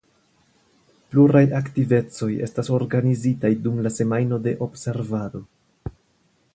Pluraj aktivecoj estas organizitaj dum la semajno de observado.